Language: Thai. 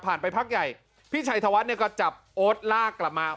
ผ่านไปพักใหญ่พี่ชัยธวัสก็จับโอ๊ตลากกลับมา